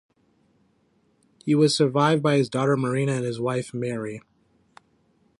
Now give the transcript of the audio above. He was survived by his daughter Mareena and his wife Mary.